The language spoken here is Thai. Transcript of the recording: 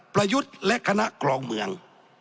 ประยุทธ์และคณะกรองเมือง